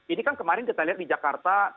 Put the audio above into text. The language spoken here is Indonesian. ini kan kemarin kita lihat di jakarta